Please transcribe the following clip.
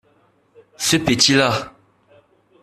Ce petit-là.